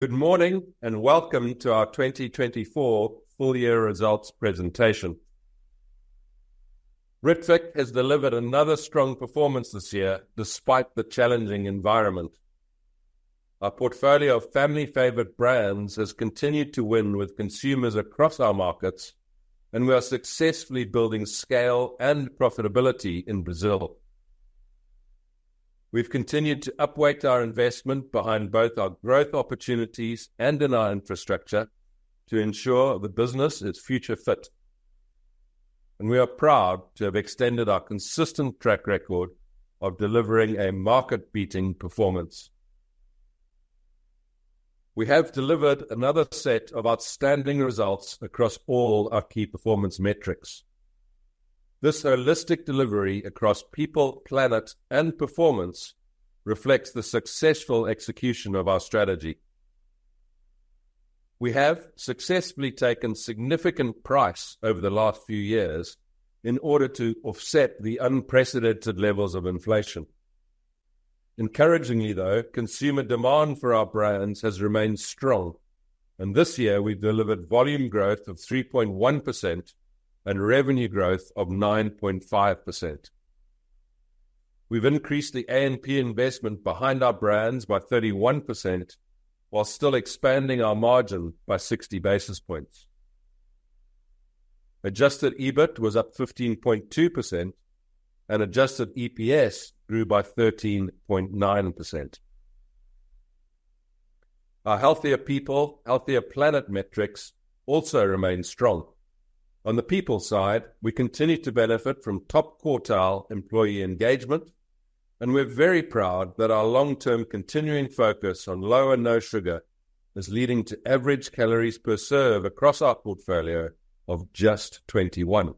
Good morning, and welcome to our 2024 full-year results presentation. Britvic has delivered another strong performance this year, despite the challenging environment. Our portfolio of family-favored brands has continued to win with consumers across our markets, and we are successfully building scale and profitability in Brazil. We've continued to upweight our investment behind both our growth opportunities and in our infrastructure to ensure the business is future-fit. And we are proud to have extended our consistent track record of delivering a market-beating performance. We have delivered another set of outstanding results across all our key performance metrics. This holistic delivery across people, planet, and performance reflects the successful execution of our strategy. We have successfully taken significant price over the last few years in order to offset the unprecedented levels of inflation. Encouragingly, though, consumer demand for our brands has remained strong, and this year we've delivered volume growth of 3.1% and revenue growth of 9.5%. We've increased the A&P investment behind our brands by 31%, while still expanding our margin by 60 basis points. Adjusted EBIT was up 15.2%, and adjusted EPS grew by 13.9%. Our healthier people, healthier planet metrics also remain strong. On the people side, we continue to benefit from top quartile employee engagement, and we're very proud that our long-term continuing focus on low and no sugar is leading to average calories per serve across our portfolio of just 21.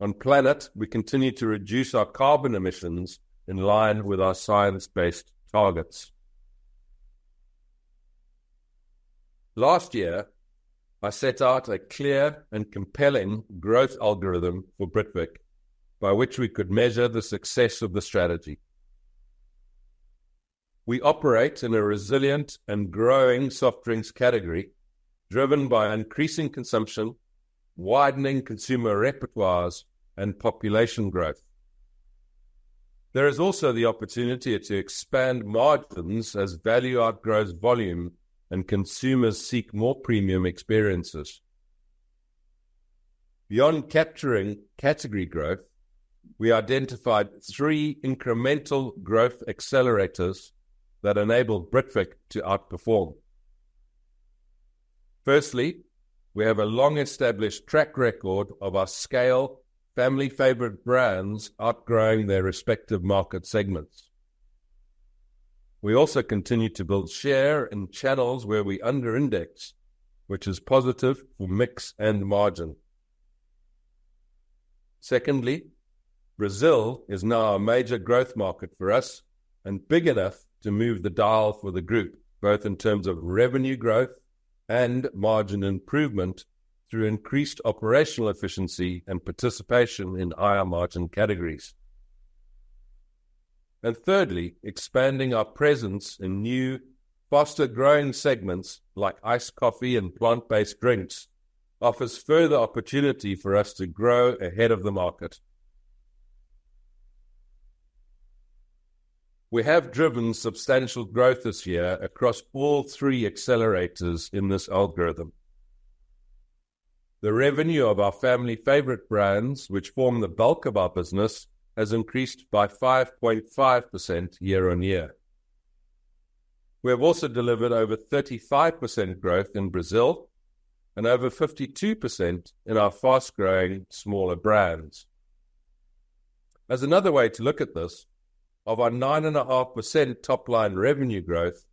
On planet, we continue to reduce our carbon emissions in line with our science-based targets. Last year, I set out a clear and compelling growth algorithm for Britvic, by which we could measure the success of the strategy. We operate in a resilient and growing soft drinks category, driven by increasing consumption, widening consumer repertoires, and population growth. There is also the opportunity to expand margins as value outgrows volume and consumers seek more premium experiences. Beyond capturing category growth, we identified three incremental growth accelerators that enable Britvic to outperform. Firstly, we have a long-established track record of our scale, family-favored brands outgrowing their respective market segments. We also continue to build share in channels where we underindex, which is positive for mix and margin. Secondly, Brazil is now a major growth market for us and big enough to move the dial for the group, both in terms of revenue growth and margin improvement through increased operational efficiency and participation in higher margin categories. Thirdly, expanding our presence in new, faster-growing segments like iced coffee and plant-based drinks offers further opportunity for us to grow ahead of the market. We have driven substantial growth this year across all three accelerators in this algorithm. The revenue of our family-favorite brands, which form the bulk of our business, has increased by 5.5% year on year. We have also delivered over 35% growth in Brazil and over 52% in our fast-growing smaller brands. As another way to look at this, of our 9.5% top-line revenue growth,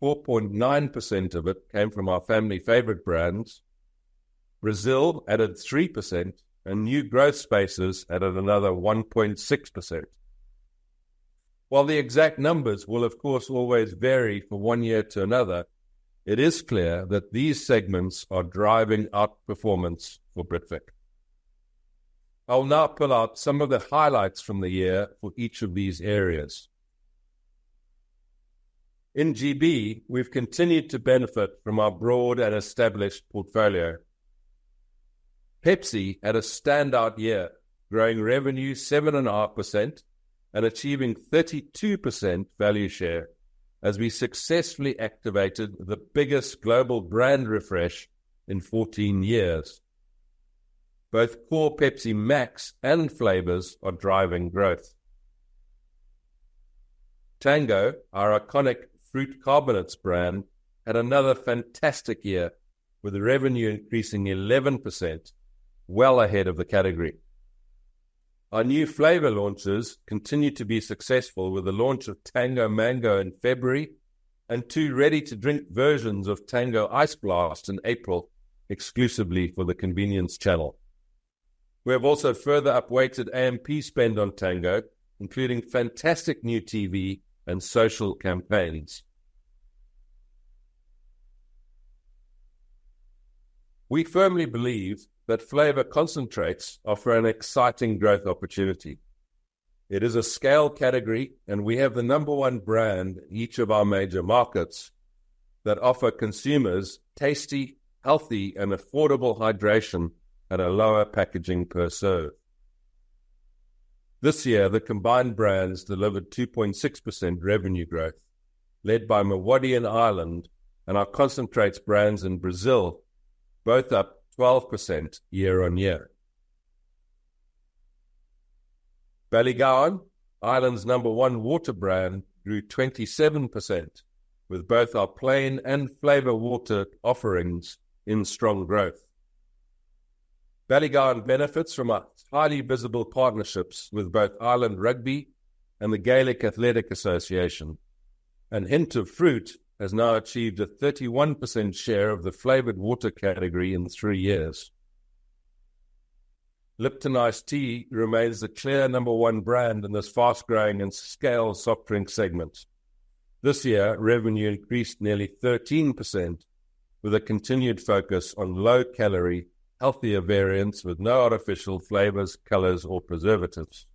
4.9% of it came from our family-favorite brands. Brazil added 3%, and new growth spaces added another 1.6%. While the exact numbers will, of course, always vary from one year to another, it is clear that these segments are driving outperformance for Britvic. I'll now pull out some of the highlights from the year for each of these areas. In GB, we've continued to benefit from our broad and established portfolio. Pepsi had a standout year, growing revenue 7.5% and achieving 32% value share as we successfully activated the biggest global brand refresh in 14 years. Both Core Pepsi Max and flavors are driving growth. Tango, our iconic fruit carbonates brand, had another fantastic year with revenue increasing 11%, well ahead of the category. Our new flavor launches continue to be successful with the launch of Tango Mango in February and two ready-to-drink versions of Tango Ice Blast in April, exclusively for the convenience channel. We have also further upweighted A&P spend on Tango, including fantastic new TV and social campaigns. We firmly believe that flavor concentrates offer an exciting growth opportunity. It is a scale category, and we have the number one brand in each of our major markets that offers consumers tasty, healthy, and affordable hydration at a lower packaging per serve. This year, the combined brands delivered 2.6% revenue growth, led by MiWadi and our concentrates brands in Brazil, both up 12% year on year. Ballygowan, Ireland's number one water brand, grew 27%, with both our plain and flavor water offerings in strong growth. Ballygowan benefits from our highly visible partnerships with both Ireland Rugby and the Gaelic Athletic Association. And Hint of Fruit has now achieved a 31% share of the flavored water category in three years. Lipton Ice Tea remains the clear number one brand in this fast-growing and scale soft drink segment. This year, revenue increased nearly 13%, with a continued focus on low-calorie, healthier variants with no artificial flavors, colors, or preservatives.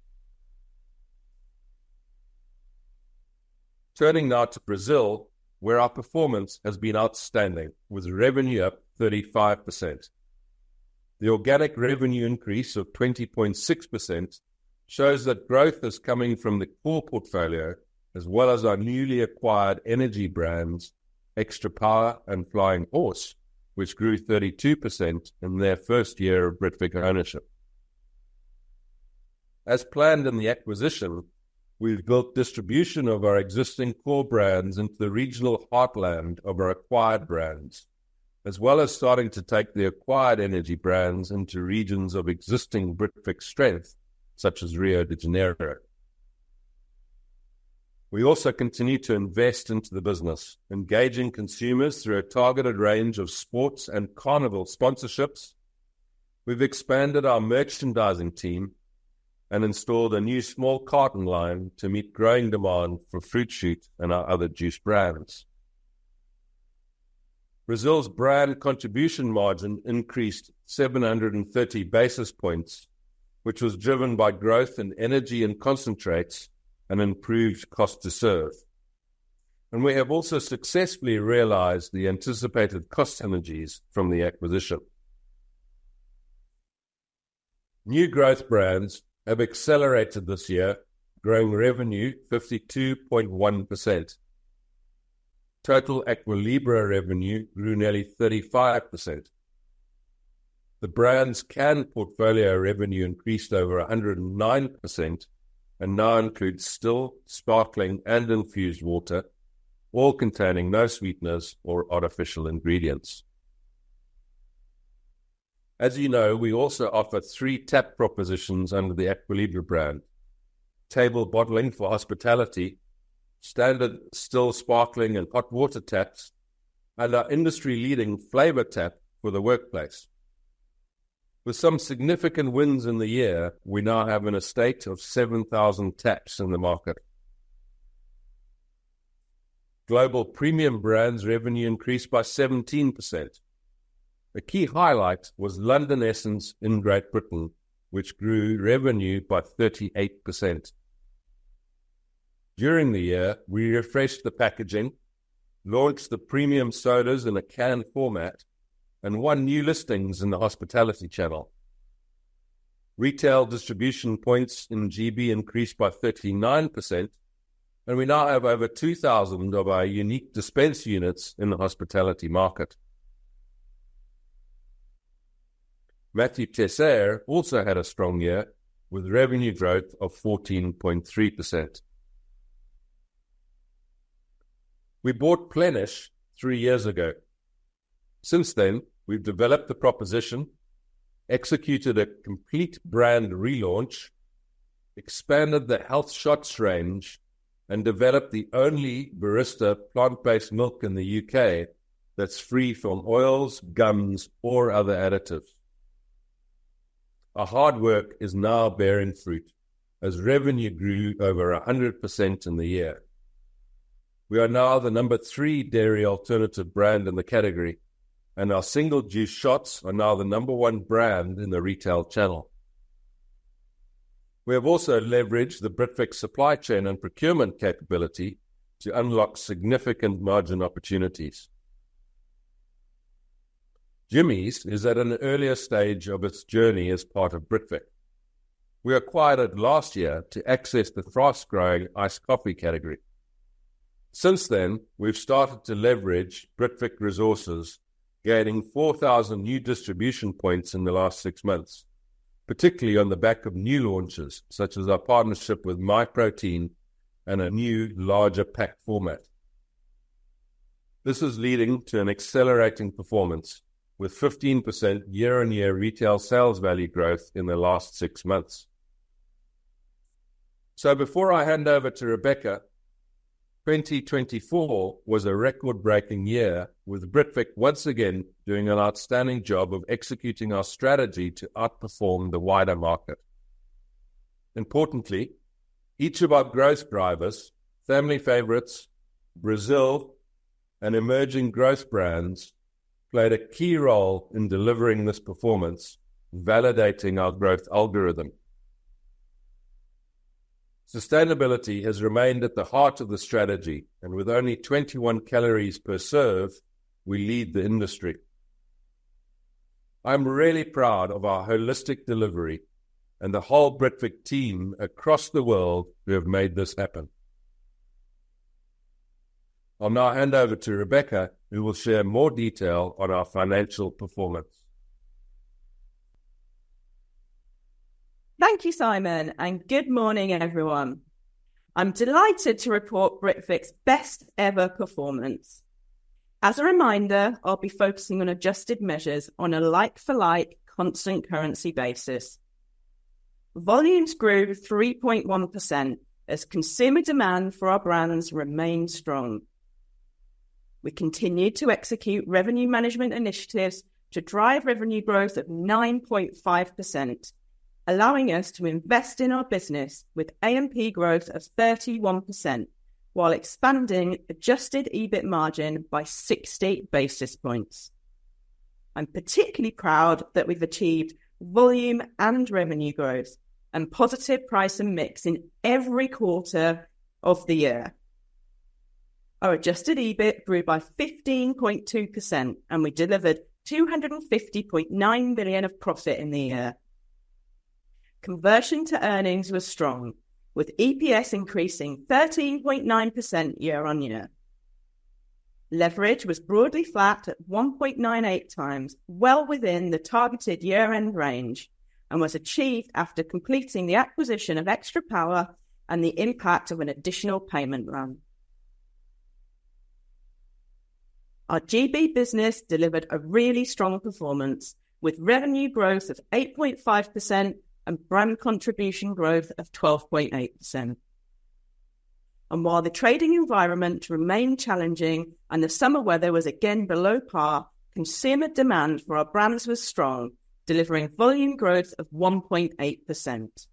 Turning now to Brazil, where our performance has been outstanding, with revenue up 35%. The organic revenue increase of 20.6% shows that growth is coming from the core portfolio, as well as our newly acquired energy brands, Extra Power and Flying Horse, which grew 32% in their first year of Britvic ownership. As planned in the acquisition, we've built distribution of our existing core brands into the regional heartland of our acquired brands, as well as starting to take the acquired energy brands into regions of existing Britvic strength, such as Rio de Janeiro. We also continue to invest into the business, engaging consumers through a targeted range of sports and carnival sponsorships. We've expanded our merchandising team and installed a new small carton line to meet growing demand for Fruit Shoot and our other juice brands. Brazil's Brand Contribution Margin increased 730 basis points, which was driven by growth in energy and concentrates and improved cost to serve. We have also successfully realized the anticipated cost synergies from the acquisition. New growth brands have accelerated this year, growing revenue 52.1%. Total Aqua Libra revenue grew nearly 35%. The brand's canned portfolio revenue increased over 109% and now includes still, sparkling, and infused water, all containing no sweeteners or artificial ingredients. As you know, we also offer three tap propositions under the Aqua Libra brand: table bottling for hospitality, standard still, sparkling, and hot water taps, and our industry-leading flavor tap for the workplace. With some significant wins in the year, we now have an estate of 7,000 taps in the market. Global premium brands revenue increased by 17%. A key highlight was London Essence in Great Britain, which grew revenue by 38%. During the year, we refreshed the packaging, launched the premium sodas in a canned format, and won new listings in the hospitality channel. Retail distribution points in GB increased by 39%, and we now have over 2,000 of our unique dispense units in the hospitality market. Mathieu Teisseire also had a strong year, with revenue growth of 14.3%. We bought Plenish three years ago. Since then, we've developed the proposition, executed a complete brand relaunch, expanded the health shots range, and developed the only barista plant-based milk in the U.K. that's free from oils, gums, or other additives. Our hard work is now bearing fruit as revenue grew over 100% in the year. We are now the number three dairy alternative brand in the category, and our single juice shots are now the number one brand in the retail channel. We have also leveraged the Britvic supply chain and procurement capability to unlock significant margin opportunities. Jimmy's is at an earlier stage of its journey as part of Britvic. We acquired it last year to access the fast-growing iced coffee category. Since then, we've started to leverage Britvic resources, gaining 4,000 new distribution points in the last six months, particularly on the back of new launches such as our partnership with MyProtein and a new, larger pack format. This is leading to an accelerating performance, with 15% year-on-year retail sales value growth in the last six months. So before I hand over to Rebecca, 2024 was a record-breaking year, with Britvic once again doing an outstanding job of executing our strategy to outperform the wider market. Importantly, each of our growth drivers, family favorites, Brazil, and emerging growth brands played a key role in delivering this performance, validating our growth algorithm. Sustainability has remained at the heart of the strategy, and with only 21 calories per serve, we lead the industry. I'm really proud of our holistic delivery and the whole Britvic team across the world who have made this happen. I'll now hand over to Rebecca, who will share more detail on our financial performance. Thank you, Simon, and good morning, everyone. I'm delighted to report Britvic's best-ever performance. As a reminder, I'll be focusing on adjusted measures on a like-for-like constant currency basis. Volumes grew 3.1% as consumer demand for our brands remained strong. We continued to execute revenue management initiatives to drive revenue growth of 9.5%, allowing us to invest in our business with A&P growth of 31% while expanding adjusted EBIT margin by 60 basis points. I'm particularly proud that we've achieved volume and revenue growth and positive price and mix in every quarter of the year. Our adjusted EBIT grew by 15.2%, and we delivered 250.9 million of profit in the year. Conversion to earnings was strong, with EPS increasing 13.9% year-on-year. Leverage was broadly flat at 1.98 times, well within the targeted year-end range, and was achieved after completing the acquisition of Extra Power and the impact of an additional payment run. Our GB business delivered a really strong performance, with revenue growth of 8.5% and brand contribution growth of 12.8%. While the trading environment remained challenging and the summer weather was again below par, consumer demand for our brands was strong, delivering volume growth of 1.8%.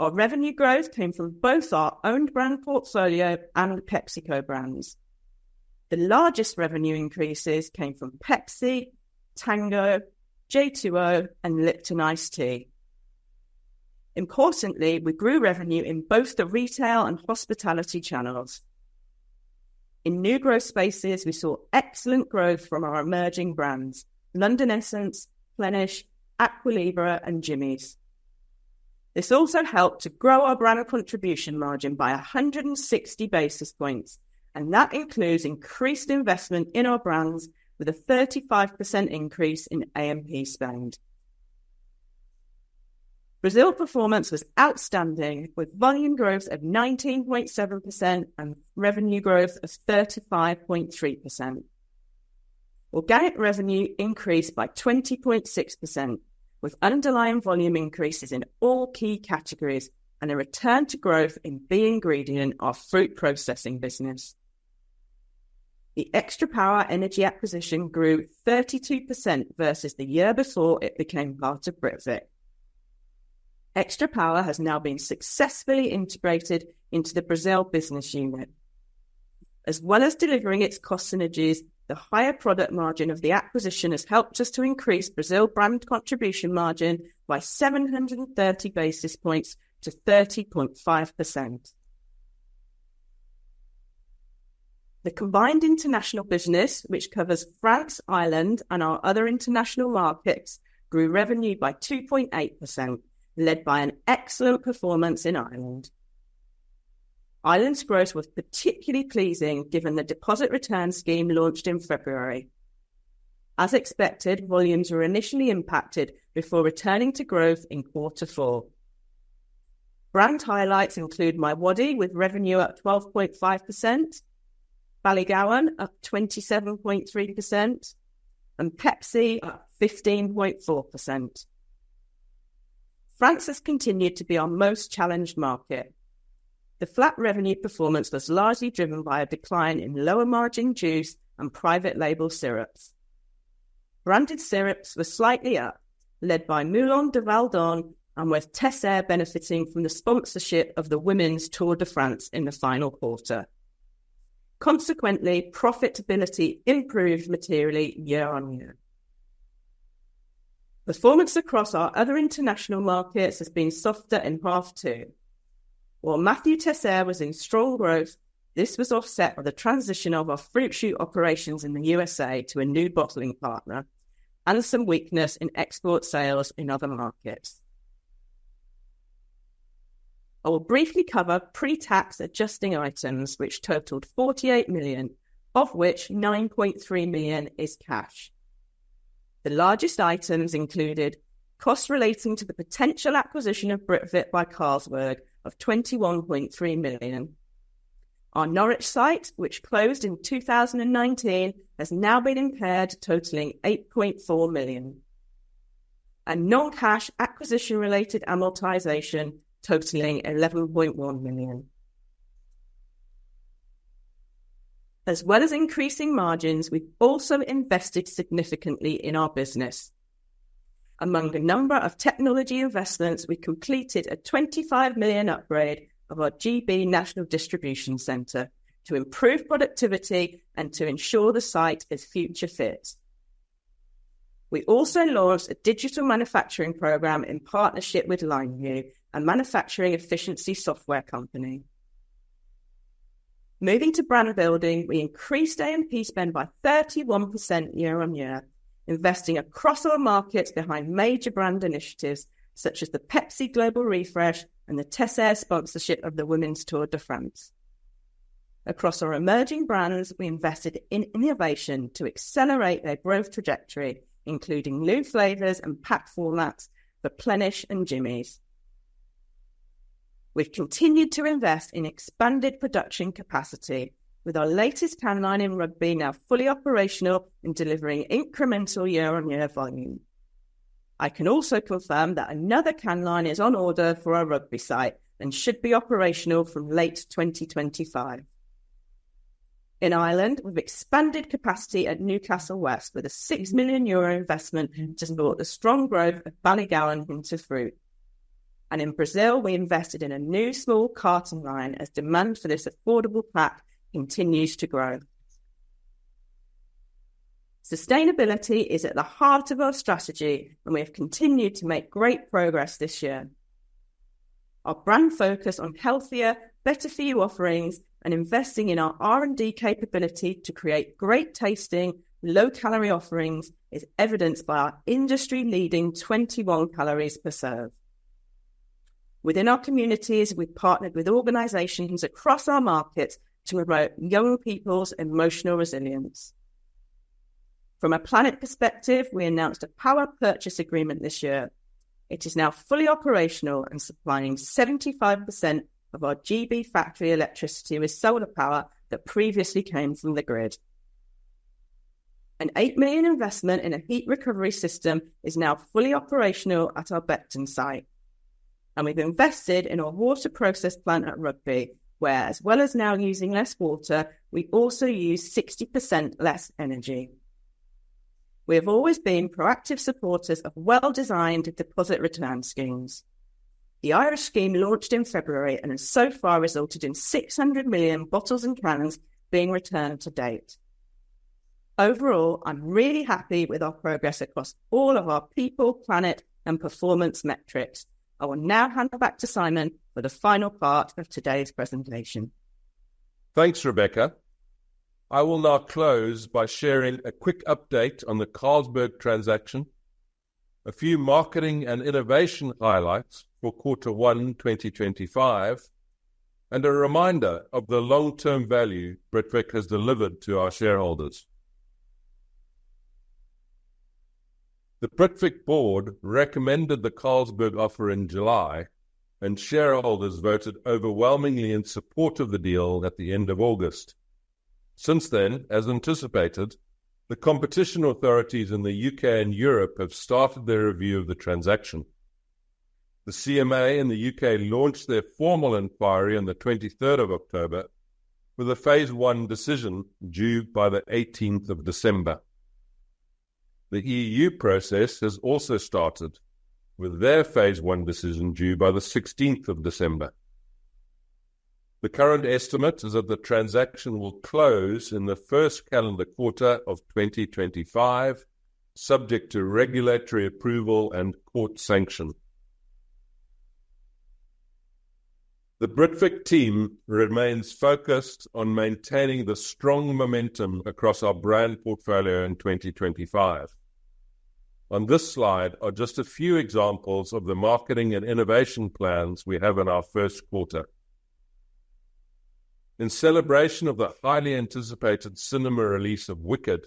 Our revenue growth came from both our own brand portfolio and PepsiCo brands. The largest revenue increases came from Pepsi, Tango, J2O, and Lipton Iced Tea. Importantly, we grew revenue in both the retail and hospitality channels. In new growth spaces, we saw excellent growth from our emerging brands, London Essence, Plenish, Aqua Libra, and Jimmy's. This also helped to grow our brand contribution margin by 160 basis points, and that includes increased investment in our brands with a 35% increase in A&P spend. Brazil performance was outstanding, with volume growth of 19.7% and revenue growth of 35.3%. Organic revenue increased by 20.6%, with underlying volume increases in all key categories and a return to growth in the ingredient of fruit processing business. The Extra Power energy acquisition grew 32% versus the year before it became part of Britvic. Extra Power has now been successfully integrated into the Brazil business unit. As well as delivering its cost synergies, the higher product margin of the acquisition has helped us to increase Brazil brand contribution margin by 730 basis points to 30.5%. The combined international business, which covers France, Ireland, and our other international markets, grew revenue by 2.8%, led by an excellent performance in Ireland. Ireland's growth was particularly pleasing given the deposit return scheme launched in February. As expected, volumes were initially impacted before returning to growth in Q4. Brand highlights include MiWadi, with revenue up 12.5%, Ballygowan up 27.3%, and Pepsi up 15.4%. France has continued to be our most challenged market. The flat revenue performance was largely driven by a decline in lower margin juice and private label syrups. Branded syrups were slightly up, led by Moulin de Valdonne, and with Mathieu Teisseire benefiting from the sponsorship of the women's Tour de France in the final quarter. Consequently, profitability improved materially year-on-year. Performance across our other international markets has been softer in Q2. While Mathieu Teisseire was in strong growth, this was offset by the transition of our Fruit Shoot operations in the USA to a new bottling partner and some weakness in export sales in other markets. I will briefly cover pre-tax adjusting items, which totaled 48 million, of which 9.3 million is cash. The largest items included costs relating to the potential acquisition of Britvic by Carlsberg of 21.3 million. Our Norwich site, which closed in 2019, has now been impaired, totaling 8.4 million, and non-cash acquisition-related amortization totaling GBP 11.1 million. As well as increasing margins, we've also invested significantly in our business. Among a number of technology investments, we completed a 25 million upgrade of our GB National Distribution Center to improve productivity and to ensure the site is future-fit. We also launched a digital manufacturing program in partnership with Lineview, a manufacturing efficiency software company. Moving to brand building, we increased A&P spend by 31% year-on-year, investing across our markets behind major brand initiatives such as the Pepsi Global Refresh and the Teisseire sponsorship of the Women's Tour de France. Across our emerging brands, we invested in innovation to accelerate their growth trajectory, including new flavors and pack formats for Plenish and Jimmy's. We've continued to invest in expanded production capacity, with our latest canned line in Rugby now fully operational and delivering incremental year-on-year volume. I can also confirm that another canned line is on order for our Rugby site and should be operational from late 2025. In Ireland, we've expanded capacity at Newcastle West with a 6 million euro investment to support the strong growth of Ballygowan and Hint of Fruit. And in Brazil, we invested in a new small carton line as demand for this affordable pack continues to grow. Sustainability is at the heart of our strategy, and we have continued to make great progress this year. Our brand focus on healthier, better-for-you offerings and investing in our R&D capability to create great tasting, low-calorie offerings is evidenced by our industry-leading 21 calories per serve. Within our communities, we've partnered with organizations across our markets to promote young people's emotional resilience. From a planet perspective, we announced a power purchase agreement this year. It is now fully operational and supplying 75% of our GB factory electricity with solar power that previously came from the grid. An 8 million investment in a heat recovery system is now fully operational at our Beckton site, and we've invested in our water process plant at Rugby, where, as well as now using less water, we also use 60% less energy. We have always been proactive supporters of well-designed deposit return schemes. The Irish scheme launched in February and has so far resulted in 600 million bottles and cans being returned to date. Overall, I'm really happy with our progress across all of our people, planet, and performance metrics. I will now hand back to Simon for the final part of today's presentation. Thanks, Rebecca. I will now close by sharing a quick update on the Carlsberg transaction, a few marketing and innovation highlights for Q1 2025, and a reminder of the long-term value Britvic has delivered to our shareholders. The Britvic board recommended the Carlsberg offer in July, and shareholders voted overwhelmingly in support of the deal at the end of August. Since then, as anticipated, the competition authorities in the U.K. and Europe have started their review of the transaction. The CMA and the U.K. launched their formal inquiry on the 23rd of October, with a phase 1 decision due by the 18th of December. The EU process has also started, with their phase 1 decision due by the 16th of December. The current estimate is that the transaction will close in the first calendar quarter of 2025, subject to regulatory approval and court sanction. The Britvic team remains focused on maintaining the strong momentum across our brand portfolio in 2025. On this slide are just a few examples of the marketing and innovation plans we have in our Q1. In celebration of the highly anticipated cinema release of Wicked,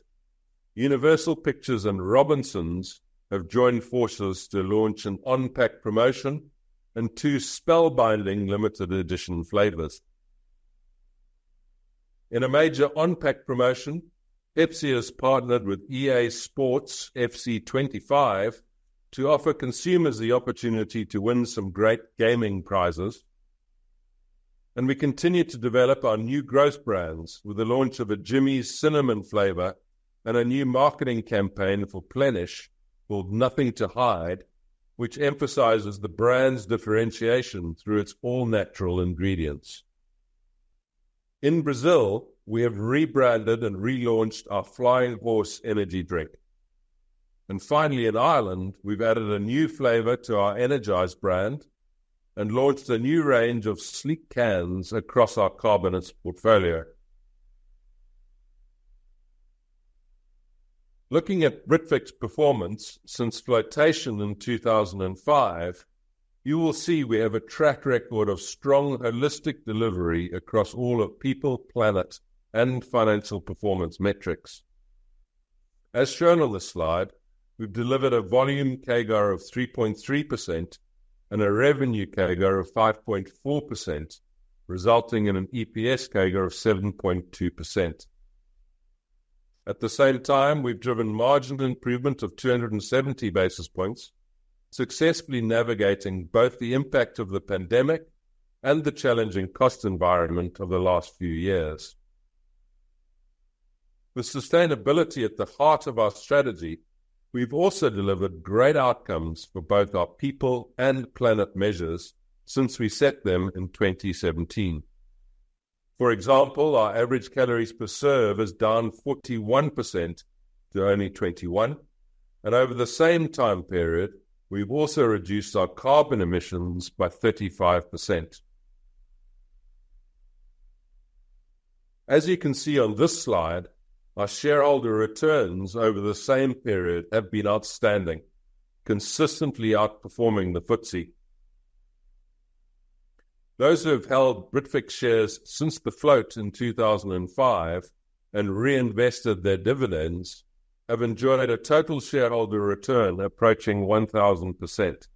Universal Pictures and Robinsons have joined forces to launch an on-pack promotion and two spellbinding limited edition flavors. In a major on-pack promotion, Pepsi has partnered with EA Sports FC 25 to offer consumers the opportunity to win some great gaming prizes. And we continue to develop our new growth brands with the launch of a Jimmy's cinnamon flavor and a new marketing campaign for Plenish called Nothing to Hide, which emphasizes the brand's differentiation through its all-natural ingredients. In Brazil, we have rebranded and relaunched our Flying Horse energy drink. And finally, in Ireland, we've added a new flavor to our Energise brand and launched a new range of sleek cans across our carbonated portfolio. Looking at Britvic's performance since flotation in 2005, you will see we have a track record of strong holistic delivery across all of people, planet, and financial performance metrics. As shown on the slide, we've delivered a volume CAGR of 3.3% and a revenue CAGR of 5.4%, resulting in an EPS CAGR of 7.2%. At the same time, we've driven margin improvement of 270 basis points, successfully navigating both the impact of the pandemic and the challenging cost environment of the last few years. With sustainability at the heart of our strategy, we've also delivered great outcomes for both our people and planet measures since we set them in 2017. For example, our average calories per serve has down 41% to only 21%. And over the same time period, we've also reduced our carbon emissions by 35%. As you can see on this slide, our shareholder returns over the same period have been outstanding, consistently outperforming the FTSE. Those who have held Britvic shares since the float in 2005 and reinvested their dividends have enjoyed a total shareholder return approaching 1,000%.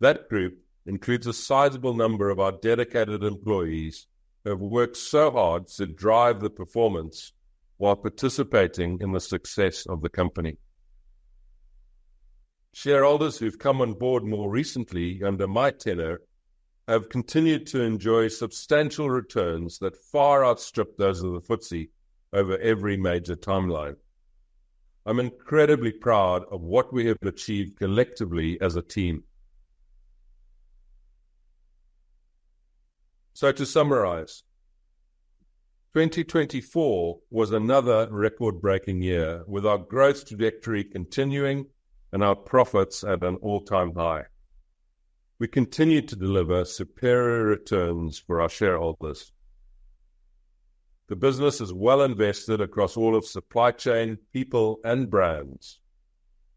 That group includes a sizable number of our dedicated employees who have worked so hard to drive the performance while participating in the success of the company. Shareholders who've come on board more recently under my tenure have continued to enjoy substantial returns that far outstrip those of the FTSE over every major timeline. I'm incredibly proud of what we have achieved collectively as a team. So, to summarize, 2024 was another record-breaking year with our growth trajectory continuing and our profits at an all-time high. We continue to deliver superior returns for our shareholders. The business is well invested across all of supply chain, people, and brands.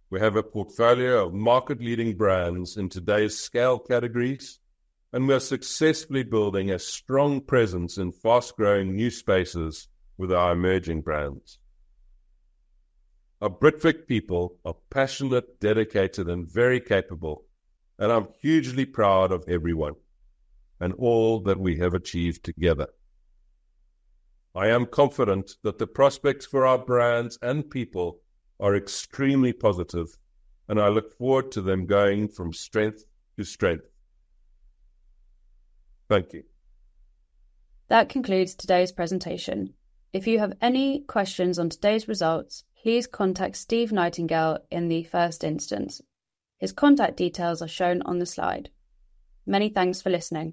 We have a portfolio of market-leading brands in today's scale categories, and we are successfully building a strong presence in fast-growing new spaces with our emerging brands. Our Britvic people are passionate, dedicated, and very capable, and I'm hugely proud of everyone and all that we have achieved together. I am confident that the prospects for our brands and people are extremely positive, and I look forward to them going from strength to strength. Thank you. That concludes today's presentation. If you have any questions on today's results, please contact Steve Nightingale in the first instance. His contact details are shown on the slide. Many thanks for listening.